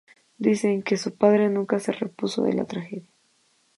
Dicen que su padre nunca se repuso de la tragedia.